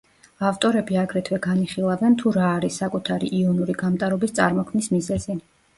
ავტორები აგრეთვე განიხილავენ თუ რა არის საკუთარი იონური გამტარობის წარმოქმნის მიზეზი.